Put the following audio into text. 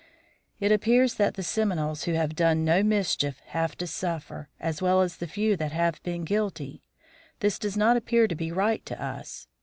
It appears that the Seminoles who have done no mischief, have to suffer, as well as the few that have been guilty this does not appear to be right to us.